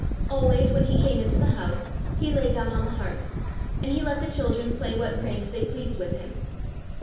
Always when he came into the house he lay down on the hearth, and he let the children play what pranks they pleased with him.